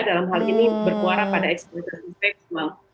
dalam hal ini berkuara pada eksploitasi seksual